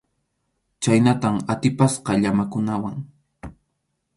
Chhaynatam atipasqa llamakunawan.